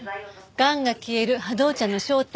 『がんが消える波動茶の正体』。